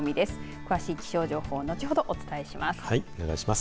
詳しい気象情報後ほどお伝えします。